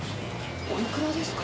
おいくらですか？